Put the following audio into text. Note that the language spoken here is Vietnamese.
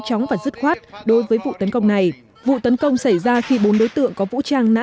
chóng và dứt khoát đối với vụ tấn công này vụ tấn công xảy ra khi bốn đối tượng có vũ trang nã